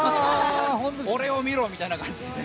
俺を見ろみたいな感じで。